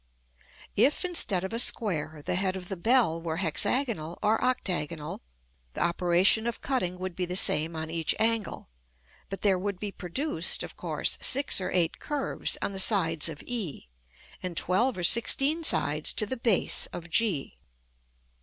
If, instead of a square, the head of the bell were hexagonal or octagonal, the operation of cutting would be the same on each angle; but there would be produced, of course, six or eight curves on the sides of e, and twelve or sixteen sides to the base of g.